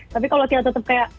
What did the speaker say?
tapi kalau kita tetap kayak